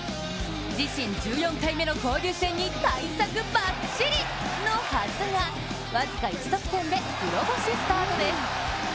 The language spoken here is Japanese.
自身１４回目の交流戦に対策バッチリのはずが僅か１得点で黒星スタートです。